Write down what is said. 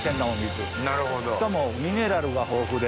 しかもミネラルが豊富で。